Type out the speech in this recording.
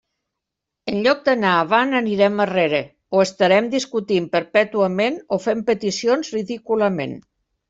En lloc d'anar avant anirem arrere, o estarem discutint perpètuament o fent peticions ridículament.